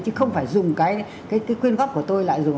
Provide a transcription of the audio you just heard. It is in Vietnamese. chứ không phải dùng cái quyên góp của tôi